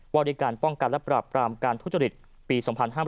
วริการป้องกันและปรับปรามการทุจริตปี๒๕๔๒